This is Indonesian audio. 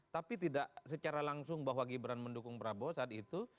tapi tidak secara langsung bahwa gibran mendukung prabowo saat itu